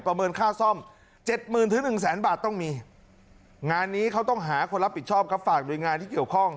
ประเมินค่าซ่อม๗๐๐๐๐๑๐๐๐๐๐บาทต้องมีงานนี้เขาต้องหาคนรับผิดชอบก็ฝากโดยงานที่เกี่ยวข้อง